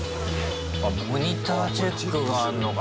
あモニターチェックがあんのか。